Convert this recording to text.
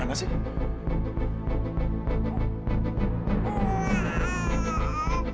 kamu itu dari mana